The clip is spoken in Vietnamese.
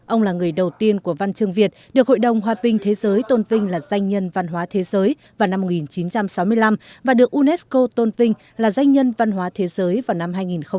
ông là người đầu tiên của văn chương việt được hội đồng hòa bình thế giới tôn vinh là danh nhân văn hóa thế giới vào năm một nghìn chín trăm sáu mươi năm và được unesco tôn vinh là danh nhân văn hóa thế giới vào năm hai nghìn một mươi